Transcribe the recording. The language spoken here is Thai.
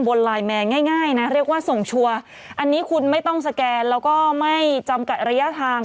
ไลน์แมนง่ายนะเรียกว่าส่งชัวร์อันนี้คุณไม่ต้องสแกนแล้วก็ไม่จำกัดระยะทาง